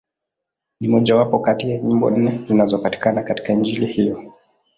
Ni mmojawapo kati ya nyimbo nne zinazopatikana katika Injili hiyo.